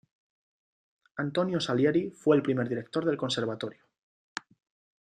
Antonio Salieri fue el primer director del conservatorio.